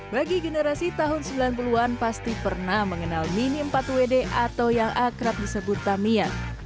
bagi generasi tahun sembilan puluh an pasti pernah mengenal mini empat wd atau yang akrab disebut tamiya